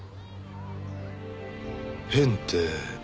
変って。